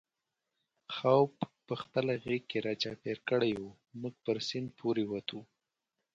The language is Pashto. خوپ په خپله غېږ کې را چاپېر کړی و، موږ پر سیند پورې وتو.